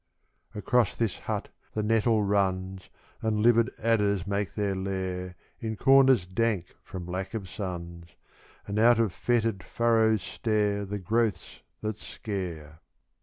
Across this hut the nettle runs, And livid adders make their lair In corners dank from lack of suns, And out of foetid furrows stare The growths that scare.